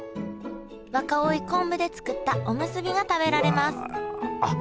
若生昆布で作ったおむすびが食べられます